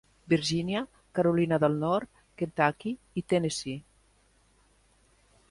Virgínia, Carolina del Nord, Kentucky i Tennessee.